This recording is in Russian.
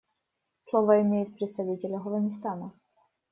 Слово имеет представитель Афганистана.